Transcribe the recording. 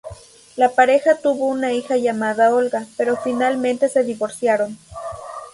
La pareja tuvo una hija llamada Olga, pero finalmente se divorciaron.